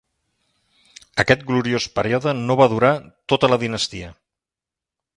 Aquest gloriós període no va durar tota la dinastia.